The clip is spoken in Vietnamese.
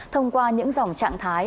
thông qua những dòng trạng thái